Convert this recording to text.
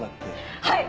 はい！